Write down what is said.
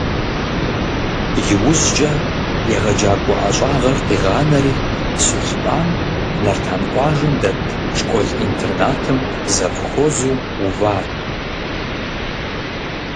Иужькӏэ егъэджакӏуэ ӏэщӏагъэр къигъанэри, Сулътӏан Нартан къуажэм дэт школ-интернатым завхозу уват.